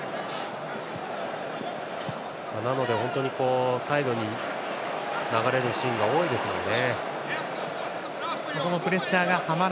なのでサイドに流れるシーンが多いですよね。